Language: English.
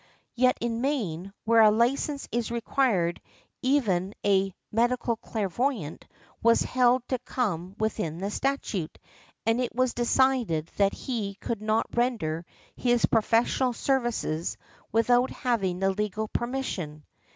Yet, in Maine, where a license is required, even a "medical clairvoyant" was held to come within the statute, and it was decided that he could not render his professional services without having the legal permission.